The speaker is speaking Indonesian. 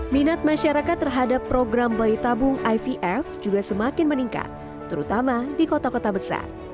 minat masyarakat terhadap program bayi tabung ivf juga semakin meningkat terutama di kota kota besar